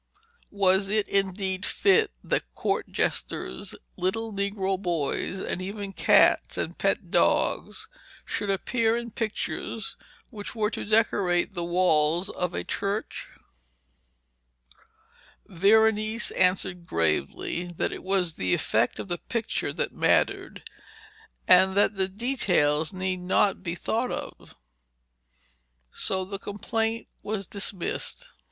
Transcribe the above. Was it, indeed, fit that court jesters, little negro boys, and even cats and pet dogs should appear in pictures which were to decorate the walls of a church? Veronese answered gravely that it was the effect of the picture that mattered, and that the details need not be thought of. So the complaint was dismissed.